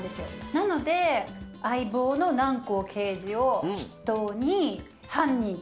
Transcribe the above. なので相棒の南光刑事を筆頭に犯人逮捕。